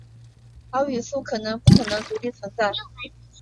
而语素可能不能独立存在。